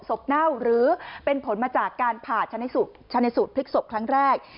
เน่าหรือเป็นผลมาจากการผ่าชนะสูตรพลิกศพครั้งแรก